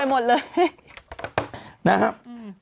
หาเสียงเต็มไปหมดเลย